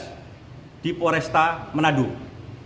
yang diperlukan untuk mencari perubahan